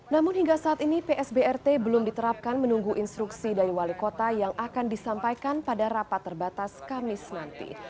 namun hingga saat ini psbrt belum diterapkan menunggu instruksi dari wali kota yang akan disampaikan pada rapat terbatas kamis nanti